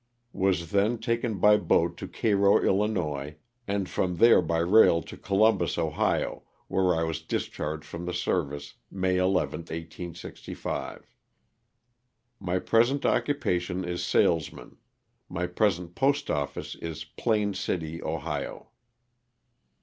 Was then taken by boat to Cairo, III., and from there by rail to Columbus, Ohio, where I was discharged from the service May 11, 1865. My present occupation is salesman. My present post office is Plain City, Ohio.